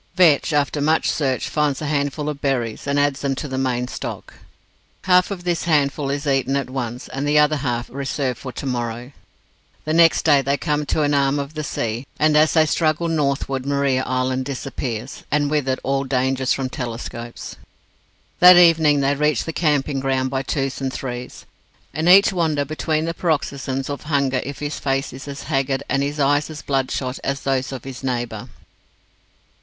Vetch, after much search, finds a handful of berries, and adds them to the main stock. Half of this handful is eaten at once, the other half reserved for "to morrow". The next day they come to an arm of the sea, and as they struggle northward, Maria Island disappears, and with it all danger from telescopes. That evening they reach the camping ground by twos and threes; and each wonders between the paroxysms of hunger if his face is as haggard, and his eyes as bloodshot, as those of his neighbour.